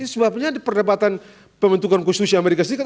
sebabnya di perdebatan pembentukan konstitusi amerika serikat